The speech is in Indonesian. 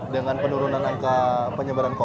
dengan penurunan angka pengangguran